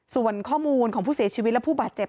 ส่วนข้อมูลของผู้เสียชีวิตและผู้บาดเจ็บ